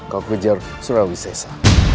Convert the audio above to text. kau kejar surawi sesa